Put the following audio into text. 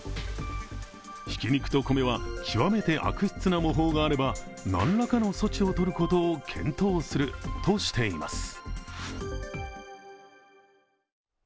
挽肉と米は、極めて悪質な模倣があれば何らかの措置を取ることを検討するとしています。